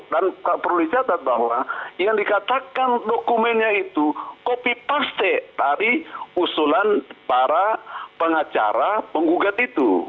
dan perlu dicatat bahwa yang dikatakan dokumennya itu copy paste dari usulan para pengacara pengugat itu